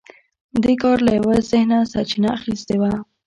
دې کار له یوه ذهنه سرچینه اخیستې وه